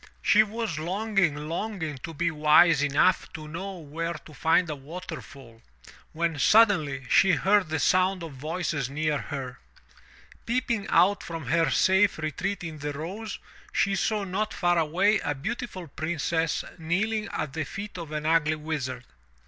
She was longing, longing to be wise enough to know where to find a waterfall, when suddenly she heard the sound of voices near her. Peeping out from her safe retreat in the rose, she saw not far away a beautiful Princess kneeling at the feet of an ugly Wizard.